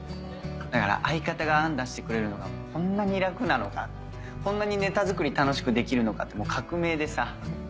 だから相方が案出してくれるのがこんなに楽なのかこんなにネタ作り楽しくできるのかってもう革命でさ。